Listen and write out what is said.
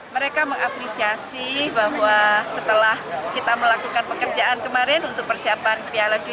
mereka mengapresiasi bahwa setelah kita melakukan pekerjaan kemarin untuk persiapan piala dunia